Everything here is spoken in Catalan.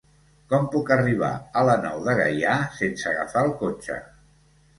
Com puc arribar a la Nou de Gaià sense agafar el cotxe?